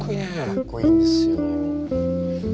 かっこいいんですよ。